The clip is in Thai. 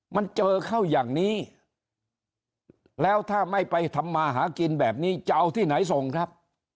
มันเจอเข้าอย่างนี้แล้วถ้าไม่ไปทำมาหากินแบบนี้จะเอาที่ไหนส่งครับ